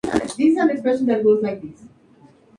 Los frutos son aquenios.